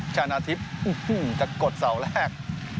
ชนะทิพย์จะกดเสาแรก